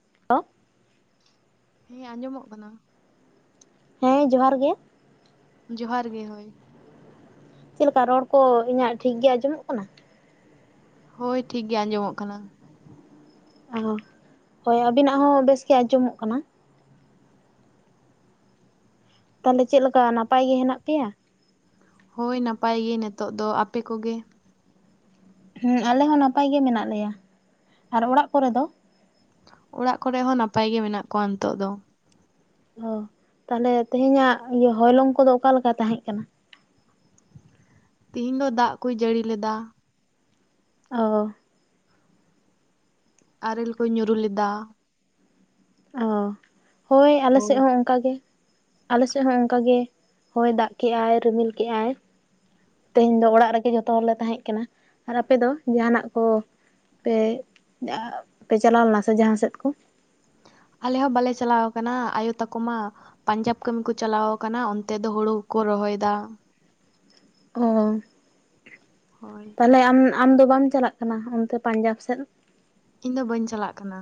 [inaudible] ᱦᱮᱸ ᱟᱸᱡᱚᱢᱚᱜ ᱠᱟᱱᱟ ᱦᱮᱸ ᱡᱚᱦᱟᱨ ᱜᱮ ᱡᱚᱦᱟᱨ ᱜᱮ ᱦᱳᱭ ᱪᱮᱫ ᱞᱮᱠᱟ ᱨᱚᱲ ᱠᱚ ᱤᱧᱟᱹᱜ ᱴᱷᱤᱠ ᱜᱮ ᱟᱸᱡᱚᱢᱚᱜ ᱠᱟᱱᱟ ᱦᱳᱭ ᱴᱷᱤᱠ ᱜᱮ ᱟᱸᱡᱚᱢᱚᱜ ᱠᱟᱱᱟ ᱚᱦᱚ ᱦᱳᱭ ᱟᱵᱤᱱᱟᱜ ᱦᱚ ᱵᱮᱥ ᱜᱮ ᱟᱡᱚᱢᱚᱜ ᱠᱟᱱᱟ ᱛᱟᱦᱚᱞᱮ ᱪᱮᱫ ᱞᱮᱠᱟ ᱱᱟᱯᱟᱭ ᱜᱮ ᱦᱮᱱᱟᱜ ᱯᱮᱭᱟ ᱦᱳᱭ ᱱᱟᱯᱟᱭ ᱜᱮ ᱱᱤᱛᱚᱜ ᱫᱚ ᱟᱯᱮ ᱠᱚᱜᱮ ᱦᱩᱸ ᱟᱞᱮ ᱦᱚ ᱱᱟᱯᱟᱭ ᱜᱮ ᱢᱮᱱᱟᱜ ᱞᱮᱭᱟ ᱟᱨ ᱚᱲᱟᱜ ᱠᱚᱨᱮ ᱫᱚ ᱚᱲᱟᱜ ᱠᱚᱨᱮ ᱦᱚᱸ ᱱᱟᱯᱟᱭ ᱜᱮ ᱢᱮᱱᱟᱜ ᱠᱚᱣᱟ ᱱᱤᱛᱚᱜ ᱫᱚ ᱚ ᱛᱟᱦᱚᱞᱮ ᱛᱮᱦᱮᱧᱟᱜ ᱦᱚᱭᱞᱚᱝ ᱠᱚᱫᱚ ᱚᱠᱟᱞᱮᱠᱟ ᱛᱟᱦᱮ ᱠᱟᱱᱟ ᱛᱮᱤᱦᱮᱧ ᱫᱚ ᱫᱟᱜ ᱠᱚᱭ ᱡᱟᱹᱲᱤ ᱞᱮᱫᱟ ᱚᱦᱚ ᱟᱨᱮᱞ ᱠᱚ ᱧᱩᱨᱩ ᱞᱮᱫᱟ ᱚᱦᱚ ᱦᱳᱭ ᱟᱞᱮᱥᱮᱫ ᱦᱚᱸ ᱚᱱᱠᱟᱜᱮ ᱟᱞᱮᱥᱮᱫ ᱦᱚ ᱚᱱᱠᱟ ᱜᱮ ᱦᱚᱭ ᱫᱟᱜ ᱠᱮᱫᱟᱭ ᱨᱤᱢᱤᱞ ᱠᱮᱜᱟᱭ ᱛᱮᱦᱮᱧ ᱫᱚ ᱚᱲᱟᱜ ᱨᱮᱜᱮ ᱡᱚᱛᱚ ᱦᱚᱲᱞᱮ ᱛᱟᱦᱮ ᱠᱟᱱᱟ ᱟᱨ ᱟᱯᱮ ᱫᱚ ᱡᱟᱦᱟᱱᱟᱜ ᱠᱚ ᱯᱮ [unintelligible] ᱪᱟᱞᱟᱣ ᱞᱮᱱᱟ ᱥᱮ ᱡᱟᱦᱟ ᱥᱮᱫ ᱠᱚ ᱟᱞᱮ ᱦᱚ ᱵᱟᱞᱮ ᱪᱟᱞᱟᱣ ᱠᱟᱱᱟ ᱟᱭᱳ ᱛᱟᱠᱚ ᱢᱟ ᱯᱟᱧᱡᱟᱵᱽ ᱠᱟᱹᱢᱤ ᱠᱚ ᱪᱟᱞᱟᱣ ᱟᱠᱟᱱᱟ ᱚᱱᱛᱮ ᱫᱚ ᱦᱩᱲᱩ ᱠᱚ ᱨᱚᱦᱚᱭᱮᱫᱟ ᱚᱦᱚ ᱦᱳᱭ ᱛᱟᱦᱚᱞᱮ ᱟᱢ ᱟᱢ ᱫᱚ ᱵᱟᱢ ᱪᱟᱞᱟᱜ ᱠᱟᱱᱟ ᱚᱱᱛᱮ ᱯᱟᱧᱡᱟᱵᱽ ᱥᱮᱫ ᱤᱧ ᱫᱚ ᱵᱟᱹᱧ ᱪᱟᱞᱟᱜ ᱠᱟᱱᱟ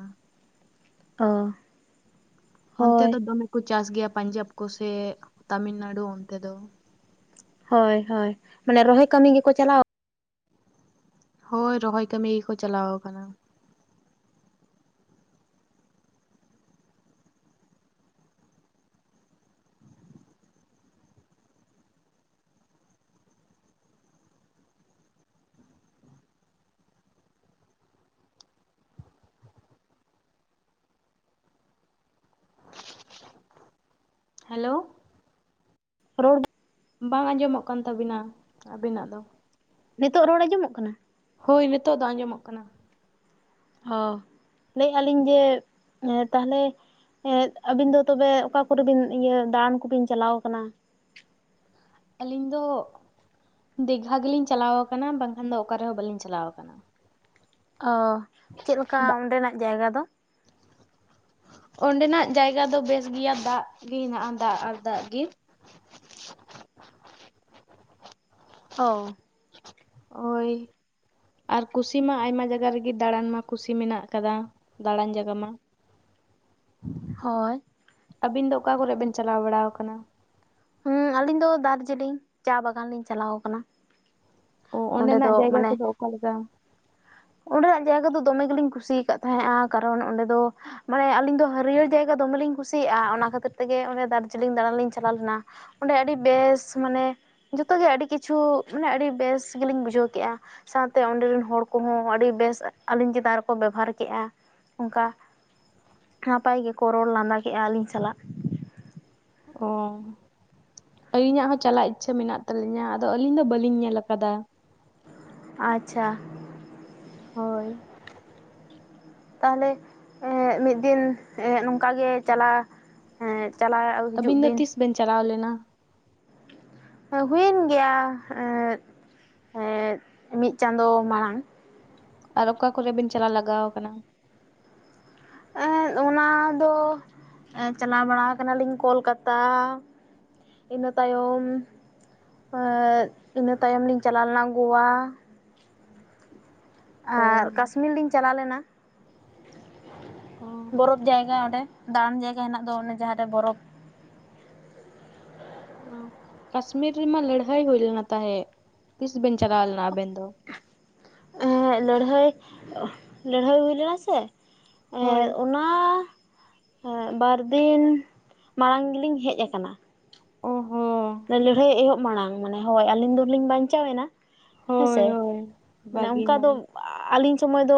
ᱚᱻ ᱚᱱᱛᱮ ᱫᱚ ᱫᱚᱢᱮ ᱠᱚ ᱪᱟᱥ ᱜᱮᱭᱟ ᱯᱟᱧᱡᱟᱵᱽ ᱠᱚᱥᱮ ᱛᱟᱢᱤᱞᱱᱟᱲᱩ ᱚᱱᱛᱮ ᱫᱚ ᱦᱳᱭ ᱦᱳᱭ ᱢᱟᱱᱮ ᱨᱚᱦᱚᱭ ᱠᱟᱹᱢᱤ ᱜᱮᱠᱚ ᱪᱟᱞᱟᱣ ᱦᱳᱭ ᱨᱚᱦᱚᱭ ᱠᱟᱹᱢᱤ ᱜᱮᱠᱚ ᱪᱟᱞᱟᱣ ᱟᱠᱟᱱᱟ᱾ ᱦᱮᱞᱳ ᱨᱚᱲᱰ ᱵᱟᱝ ᱟᱸᱡᱚᱢᱚᱜ ᱠᱟᱱ ᱛᱟᱵᱤᱱᱟ ᱟᱵᱤᱱᱟᱜ ᱫᱚ᱾ ᱱᱤᱛᱚᱜ ᱨᱚᱲ ᱟᱸᱡᱚᱢᱚᱜ ᱠᱟᱱᱟ? ᱦᱳᱭ ᱱᱤᱛᱚᱜ ᱫᱚ ᱟᱸᱡᱚᱢᱚᱜ ᱠᱟᱱᱟ᱾ ᱚ ᱞᱟᱹᱭᱼᱟ ᱞᱤᱧ ᱡᱮ ᱛᱟᱦᱚᱞᱮ ᱦᱮᱫ ᱟᱹᱵᱤᱱ ᱫᱚ ᱛᱚᱵᱮ ᱚᱠᱟ ᱠᱚᱨᱮ ᱵᱤᱱ ᱤᱭᱟᱹ ᱫᱟᱬᱟᱱ ᱠᱚᱵᱤᱱ ᱪᱟᱞᱟᱣ ᱟᱠᱟᱱᱟ? ᱟᱹᱞᱤᱧ ᱫᱚ ᱫᱤᱜᱜᱷᱟ ᱜᱮᱞᱤᱧ ᱪᱟᱞᱟᱣ ᱟᱠᱟᱱᱟ ᱵᱟᱝᱠᱷᱟᱱ ᱫᱚ ᱚᱠ ᱨᱮᱦᱚᱸ ᱵᱟᱟᱹᱞᱤᱧ ᱪᱟᱞᱟᱣ ᱟᱠᱟᱱᱟ᱾ ᱚᱻ ᱪᱮᱫ ᱞᱮᱠᱟ ᱫᱟᱜ ᱚᱸᱰᱮᱱᱟᱜ ᱡᱟᱭᱜᱟ ᱫᱚ? ᱚᱸᱰᱮᱱᱟᱜ ᱡᱟᱭᱜᱟ ᱫᱚ ᱵᱮᱥ ᱜᱮᱭᱟ ᱫᱟᱜ ᱜᱮ ᱦᱮᱱᱟᱜᱼᱟ ᱫᱟᱜ ᱟᱨ ᱫᱟᱜ ᱜᱮ᱾ ᱚᱻ ᱳᱭ ᱟᱨ ᱠᱩᱥᱤ ᱢᱟ ᱟᱭᱢᱟ ᱡᱟᱭᱜᱟ ᱨᱮᱜᱮ ᱫᱟᱬᱟᱱ ᱢᱟ ᱠᱩᱥᱤ ᱢᱮᱱᱟᱜ ᱟᱠᱟᱫᱟ᱾ ᱫᱟᱬᱟᱱ ᱡᱟᱭᱜᱟ ᱢᱟ ᱦᱳᱭ ᱟᱹᱵᱤᱱ ᱫᱚ ᱚᱠᱟ ᱠᱚᱨᱮ ᱵᱤᱱ ᱪᱟᱞᱟᱣ ᱵᱟᱲᱟ ᱟᱠᱟᱱᱟ? ᱦᱩᱸ ᱟᱞᱤᱧ ᱫᱚ ᱫᱟᱨᱡᱤᱞᱤᱝ ᱪᱟ ᱵᱟᱜᱟᱱ ᱞᱤᱧ ᱪᱟᱞᱟᱣ ᱟᱠᱟᱱᱟ᱾ ᱚ ᱚᱸᱰᱮ ᱚᱸᱰᱮᱱᱟᱜ ᱫᱚ ᱡᱟᱭᱜᱟ ᱢᱟᱱᱮ ᱠᱚᱫᱚ ᱚᱠᱟ ᱞᱮᱠᱟ? ᱚᱸᱰᱮᱱᱟᱜ ᱡᱟᱭᱜᱟ ᱫᱚ ᱫᱚᱢᱮ ᱜᱮᱞᱤᱧ ᱠᱩᱥᱤᱭ ᱟᱠᱟᱫ ᱛᱟᱦᱮᱸᱜᱼᱟ ᱠᱟᱨᱚᱱ ᱚᱸᱰᱮ ᱫᱚ ᱼᱼ ᱢᱟᱱᱮ ᱟᱹᱞᱤᱧ ᱫᱚ ᱦᱟᱹᱨᱭᱟᱹᱲ ᱡᱟᱭᱜᱟ ᱫᱚᱢᱮ ᱞᱤᱧ ᱠᱩᱥᱤᱭᱟᱜᱼᱟ ᱚᱱᱟ ᱠᱷᱟᱹᱛᱤᱨ ᱛᱮᱜᱮ ᱚᱱᱮ ᱫᱟᱨᱡᱤᱞᱤᱝ ᱫᱟᱬᱟᱱ ᱞᱤᱧ ᱪᱟᱞᱟᱣ ᱞᱮᱱᱟ᱾ ᱚᱸᱰᱮ ᱟᱹᱰᱤ ᱵᱮᱥ ᱢᱟᱱᱮᱼᱼ ᱡᱚᱛᱚ ᱜᱮ ᱟᱹᱰᱤ ᱠᱤᱪᱷᱩ ᱢᱟᱱᱮ ᱟᱹᱰᱤ ᱵᱮᱥ ᱜᱮᱞᱤᱧ ᱵᱩᱡᱷᱟᱹᱣ ᱠᱮᱫᱼᱟ ᱥᱟᱶᱛᱮ ᱚᱸᱰᱮ ᱨᱮᱱ ᱦᱚᱲ ᱠᱚ ᱼᱼ ᱠᱚᱦᱚᱸ ᱟᱹᱰᱤ ᱵᱮᱥ ᱟᱹᱞᱤᱧ ᱪᱮᱛᱟᱱ ᱨᱮᱠᱚ ᱵᱮᱵᱷᱟᱨ ᱠᱮᱜᱼᱟ ᱚᱱᱠᱟ᱾ ᱱᱟᱯᱟᱭ ᱜᱮᱠᱚ ᱨᱚᱲ ᱞᱟᱸᱫᱟ ᱠᱮᱜᱼᱟ ᱟᱹᱞᱤᱧ ᱥᱟᱞᱟᱜ᱾ ᱚᱻ ᱟᱹᱞᱤᱧᱟᱜ ᱦᱚᱸ ᱪᱟᱞᱟᱜ ᱤᱪᱪᱷᱟᱹ ᱢᱮᱱᱟᱜ ᱛᱟᱹᱞᱤᱧᱟ ᱟᱫᱚ ᱟᱹᱞᱤᱧ ᱫᱚ ᱵᱟᱹᱞᱤᱧ ᱧᱮᱞ ᱟᱠᱟᱫᱟ᱾ ᱟᱪᱪᱷᱟ ᱾ ᱦᱳᱭ ᱾ ᱛᱟᱦᱚᱞᱮ ᱢᱤᱫ ᱫᱤᱱ ᱱᱚᱝᱠᱟ ᱜᱮ ᱪᱟᱞᱟᱣ ᱮᱸ ᱪᱟᱞᱟᱜ ᱼᱼ ᱟᱹᱵᱤᱱ ᱫᱚ ᱛᱤᱥ ᱵᱮᱱ ᱪᱟᱞᱟᱣ ᱞᱮᱱᱟ? ᱦᱩᱭᱮᱱ ᱜᱮᱭᱟ [unintelligible] ᱢᱤᱫ ᱪᱟᱸᱫᱳ ᱢᱟᱲᱟᱝ ᱾ ᱟᱨ ᱚᱠᱟ ᱠᱚᱨᱮ ᱵᱤᱱ ᱪᱟᱞᱟᱣ ᱞᱟᱜᱟᱣ ᱟᱠᱟᱱᱟ? ᱚᱱᱟ ᱫᱚ ᱪᱟᱞᱟᱣ ᱵᱟᱲᱟ ᱠᱟᱱᱟᱞᱤᱧ ᱠᱳᱞᱠᱟᱛᱟ᱾ ᱤᱱᱟᱹ ᱛᱟᱭᱚᱢ ᱤᱱᱟᱹ ᱛᱟᱭᱚᱢ ᱞᱤᱧ ᱪᱟᱞᱟᱣ ᱞᱮᱱᱟ ᱜᱳᱣᱟ᱾ ᱚ ᱟᱨ ᱠᱟᱥᱢᱤᱨ ᱞᱤᱧ ᱪᱟᱞᱟᱣ ᱞᱮᱱᱟ ᱚ ᱵᱚᱨᱚᱯᱷ ᱡᱟᱭᱜᱟ ᱚᱸᱰᱮ᱾ ᱫᱟᱬᱟᱱ ᱡᱟᱭᱜᱟ ᱦᱮᱱᱟᱜ ᱫᱚ ᱚᱱᱮ ᱡᱟᱦᱟᱸᱨᱮ ᱵᱚᱨᱚᱯᱷ ᱼᱼ ᱠᱟᱥᱢᱤᱨ ᱨᱮᱢᱟ ᱞᱟᱹᱲᱦᱟᱹᱭ ᱦᱩᱭ ᱞᱮᱱᱟ ᱛᱟᱦᱮᱸᱫ ᱛᱤᱥ ᱵᱮᱱ ᱪᱟᱞᱟᱣ ᱞᱮᱱᱟ ᱟᱵᱮᱱ ᱫᱚ? ᱞᱟᱹᱲᱦᱟᱹᱭ ᱞᱟᱹᱲᱦᱟᱹᱭ ᱦᱩᱭ ᱞᱮᱱᱟ ᱥᱮ ᱦᱳᱭ ᱚᱱᱟ ᱼᱼ ᱚᱱᱟ ᱵᱟᱨ ᱫᱤᱱ ᱢᱟᱲᱟᱝ ᱜᱮᱞᱤᱧ ᱦᱮᱡ ᱟᱠᱟᱱᱟ᱾ ᱚ ᱦᱚᱻ ᱞᱟᱹᱲᱦᱟᱹᱭ ᱮᱦᱚᱵ ᱢᱟᱲᱟᱝ ᱢᱟᱱᱮ ᱦᱳᱭ ᱟᱹᱞᱤᱧ ᱫᱚ ᱞᱤᱧ ᱵᱟᱧᱪᱟᱣᱮᱱᱟ ᱦᱳᱭ ᱦᱮᱸᱥᱮ ᱦᱳᱭ ᱢᱟᱱᱮ ᱚᱱᱠᱟ ᱫᱚ ᱵᱟᱹᱜᱤᱱᱟᱢ ᱼᱼ ᱟᱹᱞᱤᱧ ᱥᱚᱢᱚᱭ ᱫᱚ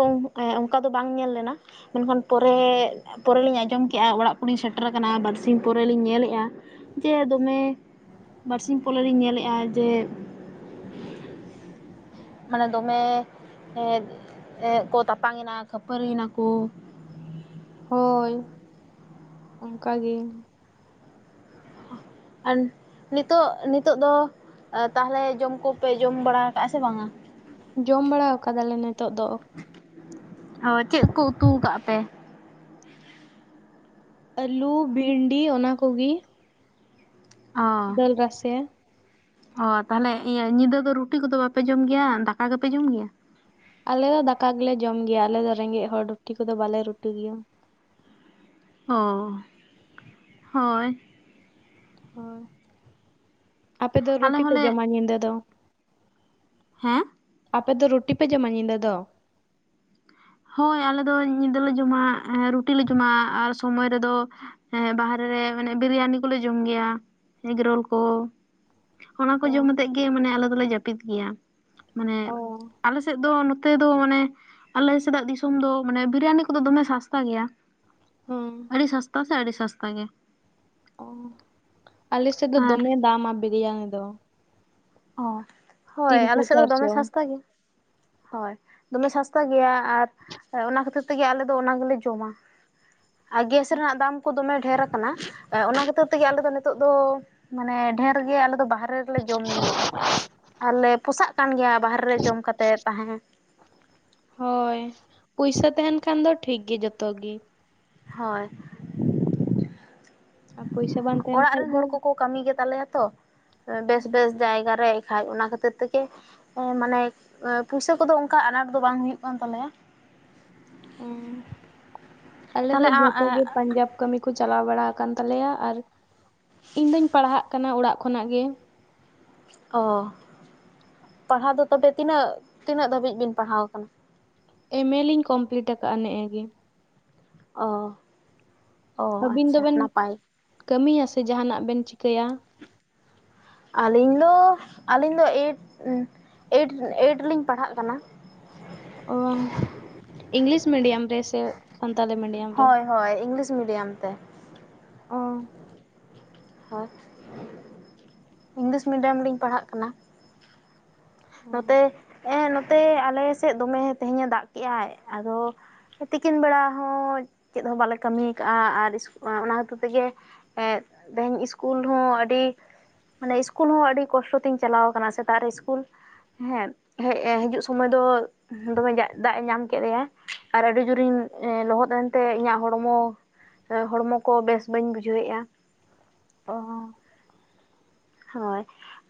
ᱚᱱᱠᱟ ᱫᱚ ᱵᱟᱝ ᱧᱮᱞ ᱞᱮᱱᱟ᱾ ᱢᱮᱱᱠᱷᱟᱱ ᱯᱚᱨᱮ ᱯᱚᱨᱮ ᱞᱤᱧ ᱟᱸᱡᱚᱢ ᱠᱮᱜᱼᱟ ᱚᱲᱟᱜ ᱠᱚ ᱞᱤᱧ ᱥᱮᱴᱮᱨ ᱠᱟᱱᱟ ᱵᱟᱨᱥᱤᱧ ᱯᱚᱨᱮ ᱞᱤᱧ ᱧᱮᱞᱮᱫᱼᱟ ᱼᱼ ᱡᱮ ᱫᱚᱢᱮᱼᱼ ᱵᱟᱨ ᱥᱤᱧ ᱯᱚᱞᱮ ᱞᱤᱧ ᱧᱮᱞᱮᱫᱼᱟ ᱡᱮ ᱼᱼ ᱢᱟᱱᱮ ᱫᱚᱢᱮ ᱮᱸ ᱮᱸ ᱠᱚ ᱛᱟᱯᱟᱝ ᱮᱱᱟ ᱠᱷᱟᱹᱯᱟᱹᱨᱤ ᱮᱱᱟ ᱠᱚ ᱾ ᱦᱳᱭ ᱚᱱᱠᱟ ᱜᱮ ᱾ ᱟᱨ ᱱᱤᱛᱚᱜ ᱱᱤᱛᱚᱜ ᱫᱚ ᱼᱼ ᱛᱟᱦᱚᱞᱮ ᱡᱚᱢ ᱠᱚ ᱯᱮ ᱡᱚᱢ ᱵᱟᱲᱟ ᱠᱟᱜᱼᱟ ᱥᱮ ᱵᱟᱝᱟ? ᱡᱚᱢ ᱵᱟᱲᱟ ᱟᱠᱟᱫᱟᱞᱮ ᱱᱤᱛᱚᱜ ᱫᱚ ᱾ ᱚ ᱪᱮᱫ ᱠᱚ ᱩᱛᱩᱣ ᱠᱟᱜ ᱯᱮ? ᱟᱹᱞᱩ ᱵᱷᱤᱱᱰᱤ ᱚᱱᱟ ᱠᱚ ᱜᱤ ᱾ ᱚ ᱫᱟᱹᱞ ᱨᱟᱥᱮ ᱾ ᱚ ᱛᱟᱦᱚᱞᱮ ᱤᱭᱟᱹ ᱧᱤᱫᱟᱹ ᱫᱚ ᱨᱩᱴᱤ ᱠᱚ ᱫᱚ ᱵᱟᱯᱮ ᱡᱚᱢ ᱜᱮᱭᱟ ᱫᱟᱠᱟ ᱜᱮᱯᱮ ᱡᱚᱢ ᱜᱮᱭᱟ? ᱟᱞᱮ ᱫᱚ ᱫᱟᱠᱟ ᱜᱮᱞᱮ ᱡᱚᱢ ᱜᱮᱭᱟ ᱟᱞᱮ ᱫᱚ ᱨᱮᱸᱜᱮᱡ ᱦᱚᱲ ᱨᱩᱴᱤ ᱠᱚ ᱫᱚ ᱵᱟᱞᱮ ᱨᱩᱴᱤ ᱜᱮᱭᱟ ᱾ ᱚᱻ ᱦᱳᱭ ᱾ ᱦᱳᱭ ᱟᱯᱮ ᱫᱚ ᱟᱞᱮ ᱨᱩᱴᱤ ᱯᱮ ᱦᱚᱸᱞᱮ ᱡᱚᱢᱟ ᱧᱤᱫᱟᱹ ᱫᱚ? ᱦᱮᱸ? ᱟᱯᱮ ᱫᱚ ᱨᱩᱴᱤ ᱯᱮ ᱡᱚᱢᱟ ᱧᱤᱫᱟᱹ ᱫᱚ? ᱦᱳᱭ ᱟᱞᱮ ᱫᱚ ᱧᱤᱫᱟᱹᱞᱮ ᱡᱚᱢᱟ ᱨᱩᱴᱤ ᱞᱮ ᱡᱚᱢᱟ ᱟᱨ ᱼᱼ ᱥᱚᱢᱚᱭ ᱨᱮᱫᱚ ᱵᱟᱦᱨᱮ ᱨᱮ ᱵᱤᱨᱭᱟᱱᱤ ᱠᱚᱞᱮ ᱡᱚᱢ ᱜᱮᱭᱟ ᱮᱜᱽᱨᱳᱞ ᱠᱚ ᱾ ᱚᱱᱟ ᱠᱚ ᱚ ᱡᱚᱢ ᱠᱟᱛᱮᱜ ᱜᱮ ᱟᱞᱮ ᱫᱚᱞᱮ ᱡᱟᱹᱯᱤᱫ ᱜᱮᱭᱟ ᱢᱟᱱᱮ ᱚ ᱼᱼ ᱟᱞᱮ ᱥᱮᱫ ᱫᱚ ᱱᱚᱛᱮ ᱫᱚ ᱢᱟᱱᱮ ᱟᱞᱮ ᱼᱼ ᱥᱮᱫᱟᱜ ᱫᱤᱥᱚᱢ ᱫᱚ ᱢᱟᱱᱮ ᱵᱤᱨᱤᱭᱟᱱᱤ ᱠᱚᱫᱚ ᱫᱚᱢᱮ ᱥᱟᱥᱛᱟ ᱜᱮᱭᱟ? ᱚ ᱾ ᱟᱹᱰᱤ ᱥᱟᱥᱛᱟ ᱥᱮ ᱟᱹᱰᱤ ᱥᱟᱥᱛᱟ ᱜᱮ ᱾ ᱚ, ᱟᱞᱮ ᱥᱮᱫ ᱫᱚ ᱟᱨ ᱫᱚᱢᱮ ᱫᱟᱢᱟ ᱵᱨᱤᱭᱟᱱᱤ ᱫᱚ ᱚ, ᱦᱳᱭ ᱛᱤᱱᱥᱚ ᱟᱞᱮ ᱥᱮᱫ ᱫᱚ ᱫᱚᱢᱮ ᱪᱟᱨᱥᱚ ᱥᱟᱥᱛᱟ ᱜᱮᱭᱟ ᱦᱳᱭ ᱫᱚᱢᱮ ᱥᱚᱥᱛᱟ ᱜᱮᱭᱟ ᱟᱨ ᱚᱱᱟ ᱠᱷᱟᱹᱛᱤᱨ ᱛᱮᱜᱮ ᱟᱞᱮ ᱫᱚ ᱚᱱᱟ ᱜᱮᱞᱮ ᱡᱚᱢᱟ ᱟᱨ ᱜᱮᱥ ᱨᱮᱱᱟᱜ ᱫᱟᱢ ᱠᱚ ᱫᱚᱢᱮ ᱰᱷᱮᱨ ᱠᱟᱱᱟ, ᱚᱱᱟ ᱠᱷᱟᱹᱛᱤᱨ ᱛᱮᱜᱮ ᱟᱞᱮ ᱫᱚ ᱱᱤᱛᱚᱜ ᱫᱚ ᱢᱟᱱᱮ ᱰᱷᱮᱨ ᱜᱮ ᱟᱞᱮ ᱫᱚ ᱵᱟᱦᱨᱮ ᱨᱮᱞᱮ ᱡᱚᱢ ᱢᱮᱜ-ᱟ, ᱟᱨᱞᱮ ᱯᱚᱥᱟᱜ ᱠᱟᱱ ᱜᱮᱭᱟ ᱵᱟᱦᱨᱮ ᱨᱮ ᱡᱚᱢ ᱠᱟᱛᱮᱫ ᱛᱟᱦᱮᱸ ᱦᱳᱭ, ᱯᱩᱭᱥᱟᱹ ᱛᱟᱦᱮᱱ ᱠᱷᱟᱱ ᱫᱚ ᱴᱷᱤᱠ ᱜᱮ ᱡᱚᱛᱚ ᱜᱮ ᱦᱳᱭ, ᱟᱨ ᱯᱩᱭᱥᱟᱹ ᱵᱟᱝ ᱛᱟᱦᱮᱱ ᱚᱲᱟᱜ ᱠᱷᱟᱡ ᱨᱮᱱ ᱫᱚ ᱦᱚᱲ ᱠᱚᱠᱚ ᱠᱟᱹᱢᱤ ᱜᱮᱛᱟᱞᱮᱭᱟ ᱛᱚ ᱵᱮᱥ ᱵᱮᱥ ᱡᱟᱭᱜᱟ ᱨᱮ ᱮᱱᱠᱷᱟᱡ ᱚᱱᱟ ᱠᱷᱟᱹᱛᱤᱨ ᱛᱮᱜᱮ ᱦᱮᱸ, ᱢᱟᱱᱮ ᱯᱩᱭᱥᱟᱹ ᱠᱚᱫᱚ ᱚᱝᱠᱟ ᱟᱱᱟᱴ ᱫᱚ ᱵᱟᱝ ᱦᱩᱭᱩᱜ ᱠᱟᱱ ᱛᱟᱞᱮᱭᱟ ᱦᱩᱸ ᱟᱞᱮ ᱫᱚ ᱛᱟᱦᱚᱞᱮ ᱡᱷᱚᱛᱚ ᱜᱮ ᱯᱟᱧᱡᱟᱵᱽ ᱠᱟᱹᱢᱤ ᱠᱚ ᱪᱟᱞᱟᱣ ᱵᱟᱲᱟ ᱟᱠᱟᱱ ᱛᱟᱞᱮᱭᱟ ᱟᱨ ᱤᱧ ᱫᱩᱧ ᱯᱟᱲᱦᱟᱜ ᱠᱟᱱᱟ ᱚᱲᱟᱜ ᱠᱷᱚᱱᱟᱜ ᱜᱮ ᱚ, ᱯᱟᱲᱦᱟᱣ ᱫᱚ ᱛᱚᱵᱮ ᱛᱤᱱᱟᱹᱜ ᱛᱤᱱᱟᱹᱜ ᱫᱷᱟᱹᱵᱤᱡ ᱵᱤᱱ ᱯᱟᱲᱦᱟᱣ ᱟᱠᱟᱱᱟ ᱮᱢ ᱮ ᱞᱤᱧ ᱠᱚᱢᱯᱞᱤᱴ ᱟᱠᱟᱜᱼᱟ ᱱᱮᱜ-ᱮ ᱜᱮ ᱚ ᱚ ᱟᱹᱵᱤᱱ ᱟᱪᱪᱷᱟ ᱫᱚᱵᱮᱱ ᱱᱟᱯᱟᱭ ᱠᱟᱹᱢᱤᱭᱟ ᱥᱮ ᱡᱟᱦᱟᱱᱟᱜ ᱵᱮᱱ ᱪᱤᱠᱟᱹᱭᱟ ᱟᱹᱞᱤᱧ ᱫᱚ ᱟᱹᱞᱤᱧ ᱫᱚ ᱮᱭᱤᱴ ᱮᱭᱤᱴ ᱮᱭᱤᱴ ᱨᱮᱞᱤᱧ ᱯᱟᱲᱦᱟᱜ ᱠᱟᱱᱟ ᱚ, ᱤᱝᱞᱤᱥ ᱢᱤᱰᱤᱭᱟᱢ ᱛᱮ ᱥᱮ ᱥᱟᱱᱛᱟᱞᱤ ᱢᱤᱰᱤᱭᱟᱢ ᱨᱮ ᱦᱳᱭ ᱦᱳᱭ ᱤᱝᱞᱤᱥ ᱢᱤᱰᱤᱭᱟᱢ ᱛᱮ ᱚ ᱦᱟᱴ, ᱤᱝᱞᱤᱥ ᱢᱤᱰᱤᱭᱟᱢ ᱨᱮᱞᱤᱧ ᱯᱟᱲᱦᱟᱜ ᱠᱟᱱᱟ ᱱᱚᱛᱮ ᱮᱸ ᱱᱚᱛᱮ ᱟᱞᱮ ᱥᱮᱫ ᱫᱚᱢᱮ ᱛᱮᱦᱮᱧᱼᱮ ᱫᱟᱜ ᱠᱮᱜ-ᱟᱭ ᱟᱫᱚ ᱛᱤᱠᱤᱱ ᱵᱮᱲᱟ ᱦᱚᱸ ᱪᱮᱫ ᱦᱚᱸ ᱵᱟᱞᱮ ᱠᱟᱹᱢᱤᱭ ᱟᱠᱟᱜᱼᱟ ᱟᱨ ᱚᱱᱟ ᱦᱚᱛᱮᱛᱮ ᱛᱮᱜᱮ ᱮᱸᱫ ᱛᱮᱦᱮᱧ ᱥᱠᱩᱞ ᱦᱚᱸ ᱟᱹᱰᱤ ᱢᱟᱱᱮ ᱤᱥᱠᱩᱞ ᱦᱚᱸ ᱟᱹᱰᱤ ᱠᱚᱥᱴᱚ ᱛᱤᱧ ᱪᱟᱞᱟᱣ ᱟᱠᱟᱱᱟ ᱥᱮᱛᱟᱜ ᱨᱮ ᱤᱥᱠᱩᱞ ᱦᱮᱸ ᱦᱮᱡ ᱦᱤᱡᱩᱜ ᱥᱚᱢᱚᱭ ᱫᱚ ᱫᱚᱢᱮ ᱫᱟᱜ-ᱮ ᱧᱟᱢ ᱠᱮᱫ ᱞᱮᱭᱟ ᱟᱨ ᱟᱹᱰᱤ ᱡᱳᱨᱤᱧ ᱞᱚᱦᱚᱫ ᱮᱱᱛᱮ ᱤᱧᱟᱹᱜ ᱦᱚᱲᱢᱚ ᱦᱚᱲᱢᱚ ᱠᱚ ᱵᱮᱥ ᱵᱟᱹᱧ ᱵᱩᱡᱷᱟᱹᱣᱮᱜᱼᱟ ᱚ ᱦᱳᱭ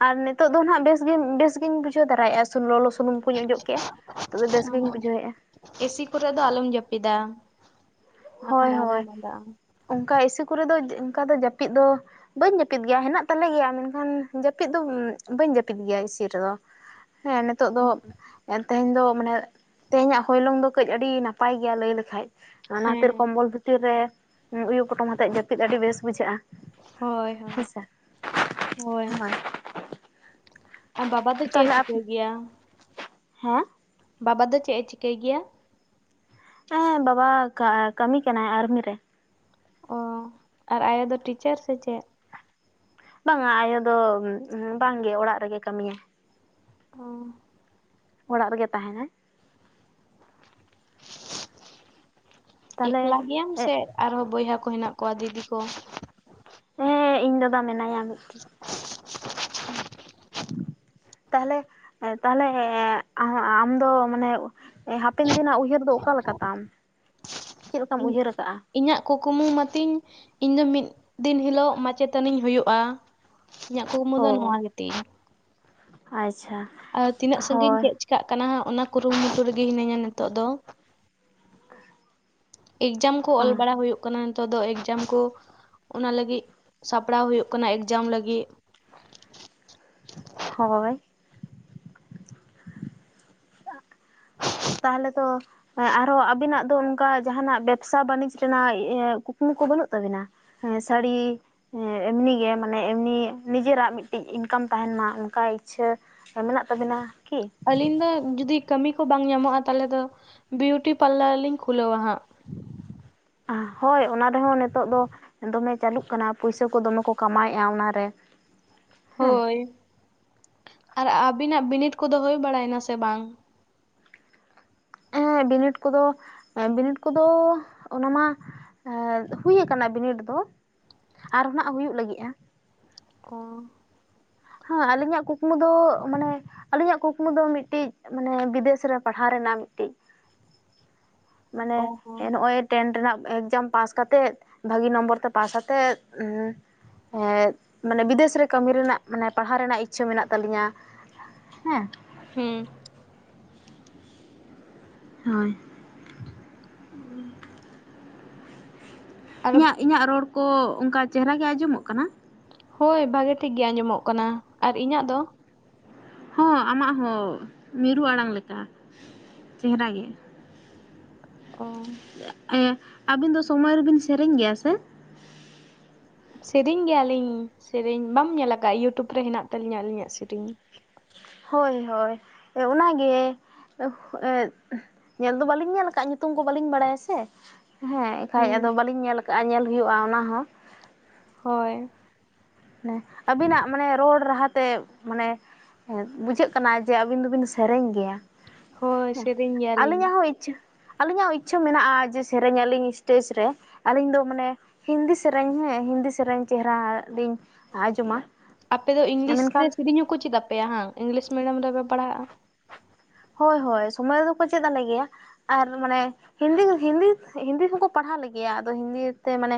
ᱟᱨ ᱱᱤᱛᱚᱜ ᱫᱚ ᱱᱟᱦᱟᱜ ᱵᱮᱥ ᱜᱮ, ᱵᱮᱥᱜᱤᱧ ᱵᱩᱡᱷᱟᱹᱣ ᱫᱟᱨᱟᱭᱮᱜᱼᱟ ᱥᱩᱱ, ᱞᱚᱞᱚ ᱥᱩᱱᱩᱢ ᱠᱚᱧ ᱚᱡᱚᱜ ᱠᱮᱜᱼᱟ ᱛᱚᱵᱮ ᱵᱮᱥᱜᱤᱧ ᱵᱩᱡᱷᱟᱹᱣᱮᱜᱼᱟ ᱮᱥᱤ ᱠᱚᱨᱮ ᱫᱚ ᱟᱞᱚᱢ ᱡᱟᱹᱯᱤᱫᱟ᱾ ᱦᱳᱭ ᱵᱟᱠᱷᱟᱱ ᱟᱨᱚ ᱦᱳᱭ ᱢᱟᱸᱫᱟᱜ ᱟᱢ ᱚᱝᱠᱟ ᱮᱥᱤ ᱠᱚᱨᱮ ᱫᱚ ᱚᱝᱠᱟ ᱫᱚ ᱡᱟᱹᱯᱤᱫ ᱫᱚ ᱵᱟᱹᱧ ᱡᱟᱹᱯᱤᱫ ᱜᱮᱭᱟ ᱦᱮᱱᱟᱜ ᱛᱟᱞᱮ ᱜᱮᱭᱟ ᱢᱮᱱᱠᱷᱟᱱ ᱡᱟᱹᱯᱤᱫ ᱫᱚ ᱵᱟᱹᱧ ᱡᱟᱹᱯᱤᱫ ᱜᱮᱭᱟ ᱤᱥᱤ ᱨᱮᱫᱚ᱾ ᱦᱮᱸ ᱱᱤᱛᱚᱜ ᱫᱚ, ᱟᱨ ᱛᱮᱦᱮᱧ ᱫᱚ ᱢᱟᱱᱮ ᱛᱮᱦᱮᱧᱟᱜ ᱦᱚᱭᱞᱚᱝ ᱫᱚ ᱠᱟᱹᱡ ᱟᱹᱰᱤ ᱱᱟᱯᱟᱭ ᱜᱮᱭᱟ ᱞᱟᱹᱭ ᱞᱮᱠᱷᱟᱡ ᱚᱱᱟ ᱦᱮᱸ ᱵᱚᱞ ᱵᱷᱤᱛᱤᱨ ᱨᱮ ᱩᱭᱩ ᱯᱚᱴᱚᱢ ᱠᱟᱛᱮᱫ ᱡᱟᱹᱯᱤᱫ ᱟᱹᱰᱤ ᱵᱮᱥ ᱵᱩᱡᱷᱟᱹᱜᱼᱟ᱾ ᱦᱳᱭ ᱦᱳᱭ ᱦᱮᱸᱥᱮ ᱦᱳᱭ᱾ ᱟᱨ ᱵᱟᱵᱟ ᱫᱚ ᱪᱮᱫ-ᱮ ᱛᱟᱦᱚᱞᱮ ᱪᱤᱠᱟᱹᱭ ᱜᱮᱭᱟ? ᱦᱮᱸ ᱵᱟᱵᱟ ᱫᱚ ᱪᱮᱫ-ᱮ ᱪᱤᱠᱟᱹᱭ ᱜᱮᱭᱟ? ᱦᱮᱸ ᱵᱟᱵᱟ ᱠᱟ ᱠᱟᱹᱢᱤ ᱠᱟᱱᱟᱭ ᱟᱨᱢᱤ ᱨᱮ᱾ ᱚ ᱟᱨ ᱟᱭᱳ ᱫᱚ ᱴᱤᱪᱟᱨ ᱥᱮ ᱪᱮᱫ? ᱵᱟᱝᱟ ᱟᱭᱳ ᱫᱚ ᱵᱟᱝᱜᱮ ᱚᱲᱟᱜ ᱨᱮᱜᱮ ᱠᱟᱹᱢᱤᱭᱟ᱾ ᱚ᱾ ᱚᱲᱟᱜ ᱨᱮᱜᱮ ᱛᱟᱦᱮᱱᱟᱭ᱾ ᱛᱟᱦᱚᱞᱮ ᱮᱠᱞᱟ ᱜᱮᱭᱟᱢ ᱥᱮ ᱟᱨᱦᱚᱸ ᱵᱚᱭᱦᱟ ᱠᱚ ᱦᱮᱱᱟᱜ ᱠᱚᱣᱟ ᱫᱤᱫᱤ ᱠᱚ? ᱦᱮᱸ ᱤᱧ ᱫᱟᱫᱟ ᱢᱮᱱᱟᱭᱟ ᱢᱤᱫᱴᱤᱡ᱾ [inaudible] ᱛᱟᱦᱚᱞᱮ ᱛᱟᱦᱞᱮ ᱦᱮᱸ ᱟᱢ ᱫᱚ ᱢᱟᱱᱮ ᱦᱟᱯᱮᱱ ᱫᱤᱱᱟᱜ ᱩᱭᱦᱟᱹᱨ ᱫᱚ ᱚᱠᱟᱞᱠᱟ ᱛᱟᱢ ᱪᱮᱫ ᱞᱮᱠᱟᱢ ᱤᱧ ᱩᱭᱦᱟᱹᱨᱟ ᱟᱠᱟᱟᱜᱼᱟ? ᱤᱧᱟᱹᱜ ᱠᱩᱠᱢᱩ ᱢᱟᱛᱤᱧ ᱤᱧ ᱫᱚ ᱢᱤᱫ ᱫᱤᱱ ᱦᱤᱞᱳᱜ ᱢᱟᱪᱮᱛᱟᱹᱱᱤᱧ ᱦᱩᱭᱩᱜᱼᱟ ᱾ ᱤᱧᱟᱹᱜ ᱠᱩᱠᱢᱩ ᱫᱚ ᱱᱚᱣᱟ ᱚ ᱜᱮ ᱛᱤᱧ ᱟᱪᱪᱷᱟ ᱟᱨ ᱛᱤᱱᱟᱹᱜ ᱥᱟᱺᱜᱤᱧ ᱦᱳᱭ ᱪᱮᱫ ᱪᱤᱠᱟᱹᱜ ᱠᱟᱱᱟ ᱦᱟᱸᱜ ᱚᱱᱟ ᱠᱩᱨᱩᱢᱩᱴᱩ ᱨᱮ ᱜᱮ ᱦᱤᱱᱟᱹᱧᱟ ᱱᱤᱛᱚᱜ ᱫᱚ ᱾ [inaudible] ᱮᱠᱡᱟᱢ ᱠᱚ ᱚᱞ ᱵᱟᱲᱟ ᱦᱩᱭᱩᱜ ᱠᱟᱱᱟ ᱾ ᱱᱤᱛᱚᱜ ᱫᱚ ᱮᱠᱡᱟᱢ ᱠᱚ ᱚᱱᱟ ᱞᱟᱹᱜᱤᱫ ᱥᱟᱯᱲᱟᱣ ᱦᱩᱭᱩᱜ ᱠᱟᱱᱟ ᱮᱠᱡᱟᱢ ᱞᱟᱹᱜᱤᱫ ᱾ ᱦᱳᱭ ᱾ ᱛᱟᱦᱚᱞᱮ ᱛᱚ ᱟᱨ ᱦᱚᱸ ᱟᱵᱤᱱᱟᱜ ᱫᱚ ᱚᱱᱠᱟ ᱡᱟᱦᱟᱸᱱᱟᱜ ᱵᱮᱵᱥᱟ ᱵᱟᱱᱤᱡᱽ ᱨᱮᱱᱟᱜ ᱠᱩᱠᱢᱩ ᱠᱚ ᱵᱟᱹᱱᱩᱜ ᱛᱟᱵᱤᱱᱟ ᱥᱟᱹᱲᱤ ᱮᱢᱱᱤ ᱜᱮ ᱢᱟᱱᱮ ᱮᱢᱱᱤ ᱱᱤᱡᱮᱨᱟᱜ ᱢᱤᱫᱴᱤᱡ ᱤᱱᱠᱟᱢ ᱛᱟᱦᱮᱸᱱ ᱢᱟ ᱚᱱᱠᱟ ᱤᱪᱪᱷᱟᱹ ᱢᱮᱱᱟᱜ ᱛᱟᱵᱤᱱᱟ ᱠᱤ ᱟᱞᱤᱧ ᱫᱚ ᱡᱩᱫᱤ ᱠᱟᱹᱢᱤ ᱠᱚ ᱵᱟᱝ ᱧᱟᱢᱚᱜᱼᱟ ᱛᱟᱦᱚᱞᱮ ᱫᱚ ᱵᱤᱭᱩᱴᱤ ᱯᱟᱨᱞᱟᱨ ᱞᱤᱧ ᱠᱷᱩᱞᱟᱹᱣᱟ ᱦᱟᱸᱜ ᱾ ᱦᱳᱭ ᱚᱱᱟ ᱨᱮᱦᱚᱸ ᱱᱤᱛᱚᱜ ᱫᱚ ᱫᱚᱢᱮ ᱪᱟᱹᱞᱩᱜ ᱠᱟᱱᱟ ᱯᱩᱭᱥᱟᱹ ᱠᱚ ᱫᱚᱢᱮ ᱠᱚ ᱠᱟᱢᱟᱣᱮᱫᱼᱟ ᱚᱱᱟ ᱨᱮ ᱾ ᱦᱳᱭ ᱟᱨ ᱟᱹᱵᱤᱱᱟᱜ ᱵᱤᱱᱤᱰ ᱠᱚᱫᱚ ᱦᱩᱭ ᱵᱟᱲᱟᱭᱮᱱᱟ ᱥᱮ ᱵᱟᱝ ᱵᱤᱱᱤᱰ ᱠᱚ ᱫᱚ ᱵᱤᱱᱤᱰ ᱠᱚᱫᱚ ᱚᱱᱟ ᱢᱟ ᱦᱩᱭ ᱟᱠᱟᱱᱟ ᱵᱤᱱᱤᱰ ᱫᱚ ᱟᱨ ᱦᱚᱸ ᱱᱟᱜ ᱦᱩᱭᱩᱜ ᱞᱟᱹᱜᱤᱫᱼᱟ ᱚ ᱾ ᱦᱮᱸ ᱟᱹᱞᱤᱧᱟᱜ ᱠᱩᱠᱢᱩ ᱫᱚ ᱢᱟᱱᱮ ᱟᱹᱞᱤᱧᱟᱜ ᱠᱩᱠᱢᱩ ᱫᱚ ᱢᱤᱫᱴᱤᱡ ᱢᱟᱱᱮ ᱵᱤᱫᱮᱥ ᱨᱮ ᱯᱟᱲᱦᱟᱣ ᱨᱮᱱᱟᱜ ᱢᱤᱫᱴᱤᱡ ᱢᱟᱱᱮ ᱚ ᱦᱚᱸ ᱦᱮᱸ ᱱᱚᱜᱼᱚᱭ ᱴᱮᱱ ᱨᱮᱱᱟᱜ ᱮᱠᱡᱟᱢ ᱯᱟᱥ ᱠᱟᱛᱮ ᱵᱷᱟᱹᱜᱤ ᱱᱚᱢᱵᱚᱨ ᱛᱮ ᱯᱟᱥ ᱟᱛᱮᱫ ᱢᱟᱱᱮ ᱵᱤᱫᱮᱥ ᱨᱮ ᱠᱟᱹᱢᱤ ᱨᱮᱱᱟᱜ ᱢᱟᱱᱮ ᱯᱟᱲᱦᱟᱣ ᱨᱮᱱᱟᱜ ᱤᱪᱪᱷᱟᱹ ᱢᱮᱱᱟᱜ ᱛᱟᱹᱞᱤᱧᱟ ᱦᱮᱸ ᱦᱩᱸ ᱦᱳᱭ ᱾ ᱦᱩᱸ ᱤᱧᱟᱹᱜ ᱤᱧᱟᱹᱜ ᱨᱚᱲ ᱠᱚ ᱚᱱᱠᱟ ᱪᱮᱦᱨᱟ ᱜᱮ ᱟᱸᱡᱚᱢᱚᱜ ᱠᱟᱱᱟ ᱾ ᱦᱳᱭ ᱵᱷᱟᱜᱮ ᱴᱷᱤᱠ ᱜᱮ ᱟᱸᱡᱚᱢᱚᱜ ᱠᱟᱱᱟ ᱟᱨ ᱤᱧᱟᱹᱜ ᱫᱚ ᱾ ᱦᱚᱸ ᱟᱢᱟᱜ ᱦᱚᱸ ᱢᱤᱨᱩ ᱟᱲᱟᱝ ᱞᱮᱠᱟ ᱪᱮᱦᱨᱟ ᱜᱮ ᱚ ᱾ ᱟᱹᱵᱤᱱ ᱫᱚ ᱥᱚᱢᱚᱭ ᱨᱮᱵᱤᱱ ᱥᱮᱨᱮᱧ ᱜᱮᱭᱟ ᱥᱮ ᱥᱮᱨᱮᱧ ᱜᱮᱭᱟ ᱞᱤᱧ ᱥᱮᱨᱮᱧ ᱵᱟᱢ ᱧᱮᱞ ᱟᱠᱟᱫᱟᱜᱼᱟ ᱤᱭᱩᱴᱩᱵᱽ ᱨᱮ ᱦᱮᱱᱟᱜ ᱛᱟᱹᱞᱤᱧᱟ ᱟᱹᱞᱤᱧᱟᱜ ᱥᱮᱨᱮᱧ ᱦᱳᱭ ᱦᱳᱭ ᱚᱱᱟ ᱜᱮ ᱧᱮᱞ ᱫᱚ ᱵᱟᱹᱞᱤᱧ ᱧᱮᱞ ᱟᱠᱟᱫᱟᱜ ᱧᱩᱛᱩᱢ ᱠᱚ ᱵᱟᱹᱞᱤᱧ ᱵᱟᱲᱟᱭᱟ ᱥᱮ ᱦᱮᱸ ᱠᱷᱟᱡ ᱦᱩᱸ ᱟᱫᱚ ᱵᱟᱹᱞᱤᱧ ᱧᱮᱞ ᱠᱟᱜᱼᱟ ᱧᱮᱞ ᱦᱩᱭᱩᱜᱼᱟ ᱚᱱᱟ ᱦᱚᱸ ᱦᱳᱭ ᱦᱮᱸ ᱟᱹᱵᱤᱱᱟᱜ ᱢᱟᱱᱮ ᱨᱚᱲ ᱨᱟᱦᱟ ᱛᱮ ᱢᱟᱱᱮ ᱵᱩᱡᱷᱟᱹᱜ ᱠᱟᱱᱟ ᱡᱮ ᱟᱹᱵᱤᱱ ᱫᱚᱵᱤᱱ ᱥᱮᱨᱮᱧ ᱜᱮᱭᱟ ᱦᱳᱭ ᱦᱮᱸ ᱥᱮᱨᱮᱧ ᱜᱮᱭᱟᱞᱤᱧ ᱟᱹᱞᱤᱧᱟᱜ ᱦᱚᱸ ᱤᱪᱪᱷᱟᱹ ᱟᱹᱞᱤᱧᱟᱜ ᱦᱚᱸ ᱤᱪᱪᱷᱟᱹ ᱢᱮᱱᱟᱜᱼᱟ ᱡᱮ ᱥᱮᱨᱮᱧ ᱟᱹᱞᱤᱧ ᱥᱴᱮᱡᱽ ᱨᱮ ᱟᱹᱞᱤᱧ ᱫᱚ ᱢᱟᱱᱮ ᱦᱤᱱᱫᱤ ᱥᱮᱨᱮᱧ ᱦᱮᱸ ᱦᱤᱱᱫᱤ ᱥᱮᱨᱮᱧ ᱪᱮᱦᱨᱟ ᱞᱤᱧ ᱟᱸᱡᱚᱢᱟ ᱟᱯᱮ ᱫᱚ ᱤᱝᱞᱤᱥ ᱨᱮ ᱢᱮᱱᱠᱷᱟᱱ ᱥᱮᱨᱮᱧ ᱦᱚᱸᱠᱚ ᱪᱮᱫ ᱟᱯᱮᱭᱟ ᱵᱟᱝ ᱤᱝᱞᱤᱥ ᱢᱤᱰᱤᱭᱟᱢ ᱨᱮᱯᱮ ᱯᱟᱲᱦᱟᱜᱼᱟ ᱦᱳᱭ ᱦᱳᱭ ᱥᱚᱢᱚᱭ ᱨᱮ ᱫᱚ ᱠᱚ ᱪᱮᱫ ᱟᱞᱮ ᱜᱮᱭᱟ ᱟᱨ ᱢᱟᱱᱮ ᱦᱤᱱᱫᱤ ᱦᱤᱱᱫᱤ ᱦᱤᱱᱫᱤ ᱦᱚᱸᱠᱚ ᱯᱟᱲᱦᱟᱣ ᱞᱮ ᱜᱮᱭᱟ ᱟᱫᱚ ᱦᱤᱱᱫᱤ ᱛᱮ ᱢᱟᱱᱮ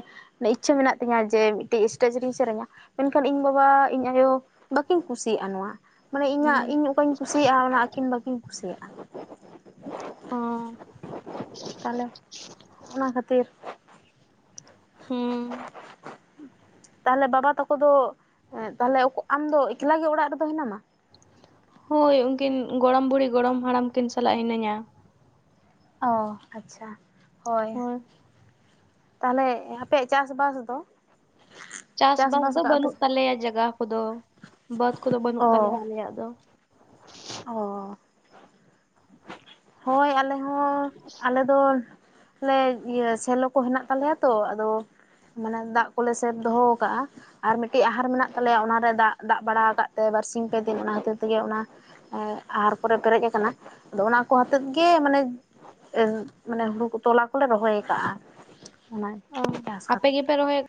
ᱤᱪᱪᱷᱟᱹ ᱢᱮᱱᱟᱜ ᱛᱤᱧᱟᱹ ᱡᱮ ᱢᱤᱫᱴᱮᱡ ᱤᱥᱴᱮᱡᱽ ᱨᱤᱧ ᱥᱮᱨᱮᱧᱟ ᱢᱮᱱᱠᱷᱟᱱ ᱤᱧ ᱵᱟᱵᱟ ᱤᱧ ᱟᱭᱳ ᱵᱟᱠᱤᱧ ᱠᱩᱥᱤᱭᱟᱜᱼᱟ ᱱᱚᱣᱟ ᱢᱟᱱᱮ ᱦᱩᱸ ᱤᱧᱟᱹᱜ ᱤᱧ ᱚᱠᱟᱧ ᱠᱩᱥᱤᱭᱟᱜᱼᱟ ᱚᱱᱟ ᱟᱹᱠᱤᱱ ᱵᱟᱠᱤᱱ ᱠᱩᱥᱤᱭᱟᱜᱼᱟ ᱚ ᱛᱟᱦᱚᱞᱮ ᱚᱱᱟ ᱠᱷᱟᱹᱛᱤᱨ ᱦᱩᱸ ᱛᱟᱦᱞᱮ ᱵᱟᱵᱟ ᱛᱟᱠᱚ ᱫᱚ ᱛᱟᱦᱞᱮ ᱟᱢ ᱫᱚ ᱮᱠᱞᱟ ᱜᱮ ᱚᱲᱟᱜ ᱨᱮᱫᱚ ᱦᱮᱱᱟᱢᱟ ᱦᱳᱭ ᱩᱱᱠᱤᱱ ᱜᱚᱲᱚᱢ ᱵᱩᱲᱦᱤ ᱜᱚᱲᱚᱢ ᱦᱟᱲᱟᱢ ᱠᱤᱱ ᱥᱟᱞᱟᱜ ᱦᱤᱱᱟᱹᱧᱟ ᱚ ᱟᱪᱪᱷᱟ ᱦᱳᱭ ᱛᱟᱦᱞᱮ ᱟᱯᱮᱭᱟᱜ ᱪᱟᱥᱵᱟᱥ ᱫᱚ ᱪᱟᱥᱵᱟᱥ ᱫᱚ ᱠᱟᱜᱼᱟ ᱯᱮ ᱵᱟᱹᱱᱩᱜ ᱛᱟᱞᱮᱭᱟ ᱡᱟᱜᱟᱦ ᱠᱚᱫᱚ ᱵᱟᱹᱫᱽ ᱠᱚᱫᱚ ᱵᱟᱹᱱᱩᱜ ᱛᱟᱞᱮᱭᱟ ᱚ ᱟᱞᱮᱭᱟᱜ ᱫᱚ ᱚ ᱦᱳᱭ ᱟᱞᱮ ᱦᱚᱸ ᱟᱞᱮ ᱟᱫᱚ ᱚᱱᱮ ᱥᱮᱞᱚ ᱠᱚ ᱦᱮᱱᱟᱜ ᱛᱟᱞᱮᱭᱟ ᱛᱚ ᱟᱫᱚ ᱢᱟᱱᱮ ᱫᱟᱜ ᱠᱚᱞᱮ ᱥᱮᱵ ᱫᱚᱦᱚ ᱠᱟᱜᱼᱟ ᱟᱨ ᱢᱤᱫᱴᱤᱡ ᱟᱦᱟᱨ ᱢᱮᱱᱟᱜ ᱛᱟᱞᱮᱭᱟ ᱚᱱᱟᱨᱮ ᱫᱟᱜ ᱫᱟᱜ ᱵᱟᱲᱟ ᱟᱠᱟᱫ ᱛᱮ ᱵᱟᱨᱥᱤᱧ ᱯᱮ ᱫᱤᱱ ᱚᱱᱟ ᱠᱷᱟᱹᱛᱤᱨ ᱛᱮᱜᱮ ᱚᱱᱟ ᱟᱦᱟᱨ ᱠᱚᱨᱮ ᱯᱮᱨᱮᱡ ᱟᱠᱟᱱᱟ ᱟᱫᱚ ᱚᱱᱟ ᱠᱚ ᱦᱚᱛᱮᱫ ᱜᱮ ᱢᱟᱱᱮ ᱢᱟᱱᱮ ᱦᱩᱲᱩ ᱠᱚ ᱛᱚᱞᱟ ᱠᱚᱞᱮ ᱨᱚᱦᱚᱭ ᱠᱟᱜᱼᱟ ᱚᱱᱟ ᱪᱟᱥ ᱠᱟᱛᱮ ᱯᱮ [unintelligible]